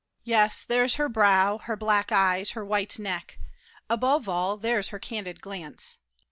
Yes, there's her brow, her black eyes, her white neck; Above all, there's her candid glance!